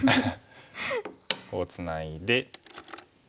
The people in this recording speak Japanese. こうツナいで。